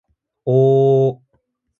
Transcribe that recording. おおおおお